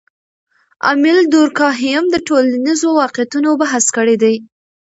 امیل دورکهایم د ټولنیزو واقعیتونو بحث کړی دی.